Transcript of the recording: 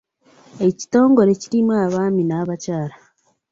Ekitongole kirimu abaami n'abakyala.